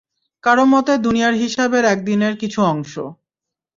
কারো মতে দুনিয়ার হিসাবের একদিনের কিছু অংশ।